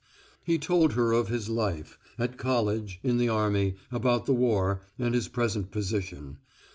He told her of his life at college, in the army, about the war, and his present position.